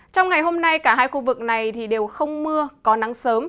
trong ngày hôm nay cả hai khu vực này đều không mưa có nắng sớm